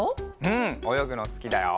うんおよぐのすきだよ。